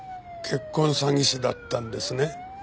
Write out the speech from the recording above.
結婚詐欺師だったんですね。